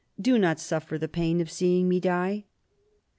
Do not suffer the pain of seeing me die.'